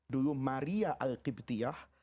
dulu maria al qibtiah